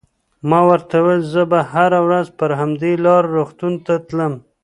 ما ورته وویل: زه به هره ورځ پر همدې لار روغتون ته تلم.